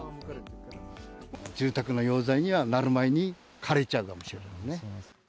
住宅の用材になる前に枯れちゃうかもしれないね。